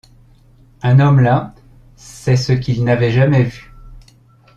Un homme là, c’est ce qu’ils n’avaient jamais vu.